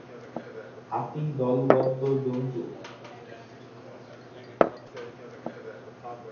হাতি দলবদ্ধ জন্তু।